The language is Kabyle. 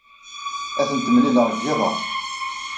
Ad tent-mlileɣ deg yiḍ-a.